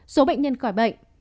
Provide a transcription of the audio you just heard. số bệnh nhân khỏi bệnh